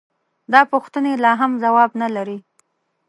دا پوښتنې لا هم ځواب نه لري.